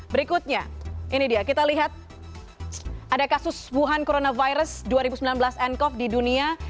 berikutnya ini dia kita lihat ada kasus wuhan coronavirus dua ribu sembilan belas ncov di dunia